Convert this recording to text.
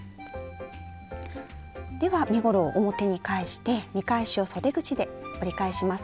では身ごろを表に返して見返しをそで口で折り返します。